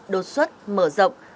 đột xuất mở rộng